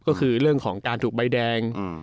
ก็คือเรื่องของการถูกใบแดง